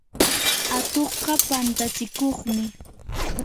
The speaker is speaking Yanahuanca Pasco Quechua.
atuqqa pantatsikuqmi.